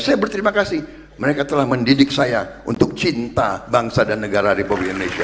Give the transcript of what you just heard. saya berterima kasih mereka telah mendidik saya untuk cinta bangsa dan negara republik indonesia